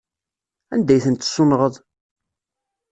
Anda ay ten-tessunɣeḍ?